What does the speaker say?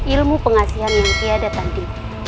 ilmu pengasihan yang tiada tadi